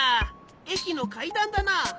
えきのかいだんだな。